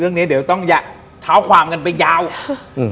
เรื่องนี้เดี๋ยวทั้งอยากเท้าความกันไปยาวอืม